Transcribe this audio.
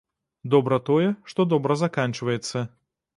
Добра тое, што добра заканчваецца.